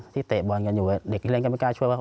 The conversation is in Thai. เตะบอลกันอยู่เด็กที่เล่นก็ไม่กล้าช่วยว่า